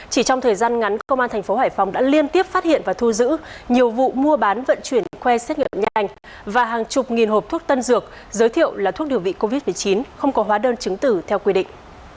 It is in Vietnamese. chỉ trong thời gian ngắn công an thành phố hải phòng đã liên tiếp phát hiện và thu giữ nhiều vụ mua bán vận chuyển khoe xét nghiệm nhanh và hàng chục nghìn hộp thuốc tân dược giới thiệu là thuốc điều trị covid một mươi chín không có hóa đơn chứng tử theo quy định